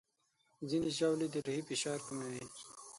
ځینې ژاولې د روحي فشار کموي.